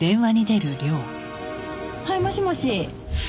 はいもしもし。